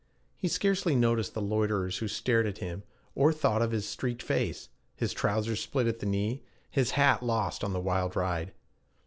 He scarcely noticed the loiterers who stared at him, or thought of his streaked face, his trousers split at the knee, his hat lost on the wild ride.